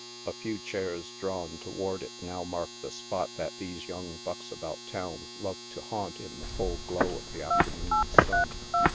A few chairs drawn towards it now mark the spot that these young bucks about town love to haunt in the full glow of an afternoon's sun.